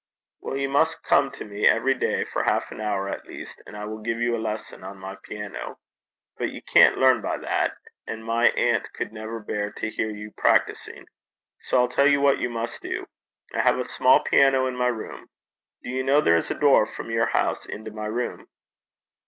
'Well, you must come to me every day for half an hour at least, and I will give you a lesson on my piano. But you can't learn by that. And my aunt could never bear to hear you practising. So I'll tell you what you must do. I have a small piano in my own room. Do you know there is a door from your house into my room?'